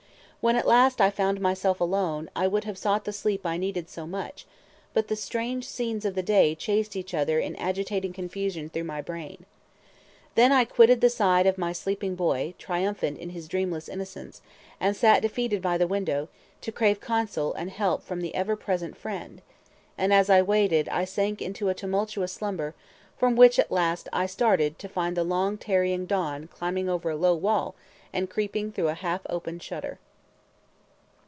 When at last I found myself alone, I would have sought the sleep I so much needed, but the strange scenes of the day chased each other in agitating confusion through my brain. Then I quitted the side of my sleeping boy, triumphant in his dreamless innocence, and sat defeated by the window, to crave counsel and help from the ever present Friend; and as I waited I sank into a tumultuous slumber, from which at last I started to find the long tarrying dawn climbing over a low wall and creeping through a half open shutter.